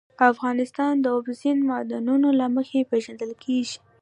افغانستان د اوبزین معدنونه له مخې پېژندل کېږي.